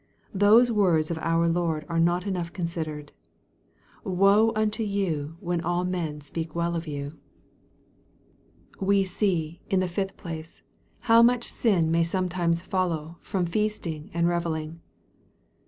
Those words of our Lord are not enough considered " Woe unto you when all men speak well of you." MARK, CHAP. VI. 121 We see, in the fifth place, how much sin may some times follow from feasting and revetting.